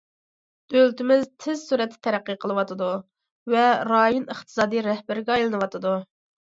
دۆلىتىمىز تېز سۈرئەتتە تەرەققىي قىلىۋاتىدۇ ۋە رايون ئىقتىسادىي رەھبىرىگە ئايلىنىۋاتىدۇ.